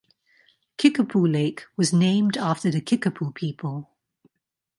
Kickapoo Lake was named after the Kickapoo people.